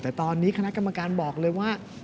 แต่ตอนนี้คณะกรรมการบอกเลยว่า